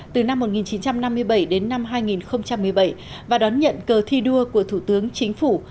từ năm một nghìn chín trăm năm mươi bảy đến năm hai nghìn một mươi bảy và đón nhận cờ thi đua của thủ tướng chính phủ